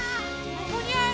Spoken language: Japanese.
どこにある？